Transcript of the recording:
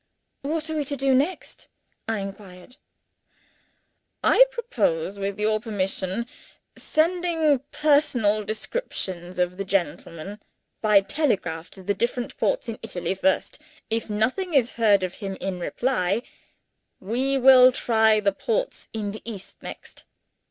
"What are we to do next?" I inquired. "I propose with your permission sending personal descriptions of the gentleman, by telegraph, to the different ports in Italy first. If nothing is heard of him in reply, we will try the ports in the East next.